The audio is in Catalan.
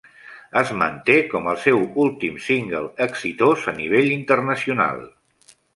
Es manté com el seu últim single exitós a nivell internacional.